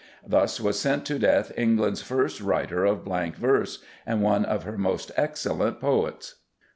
Thus was sent to death England's first writer of blank verse and one of her most excellent poets.